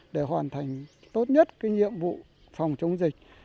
để hoàn thành tốt nhất cái nhiệm vụ phòng chống dịch